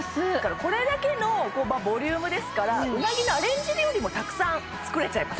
これだけのボリュームですからうなぎのアレンジ料理もたくさん作れちゃいます